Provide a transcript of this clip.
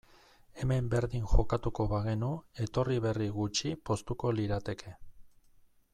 Hemen berdin jokatuko bagenu, etorri berri gutxi poztuko lirateke.